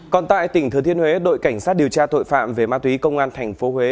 còn tại tỉnh thừa thiên huế đội cảnh sát điều tra tội phạm về ma túy công an tp huế